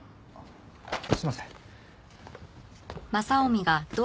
すいません。